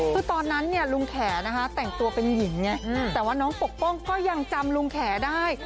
คือตอนนั้นเนี่ยลุงแขนะคะแต่งตัวเป็นหญิงไงแต่ว่าน้องปกป้องก็ยังจำลุงแขได้